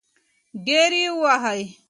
ډېر يې ووهی .